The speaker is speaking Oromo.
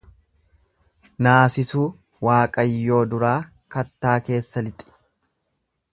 Naasisuu Waaqayyoo duraa kattaa keessa lixi.